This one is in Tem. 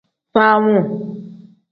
Faamuu.